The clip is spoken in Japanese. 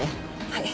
はい。